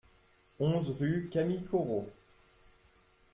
onze rue Camille Corot